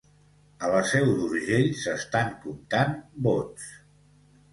A la Seu d'Urgell s'estan comptant vots.